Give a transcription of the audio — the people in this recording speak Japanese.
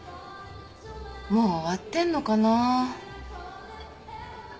もう終わってんのかな？